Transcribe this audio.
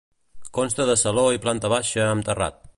Consta de saló i planta baixa amb terrat.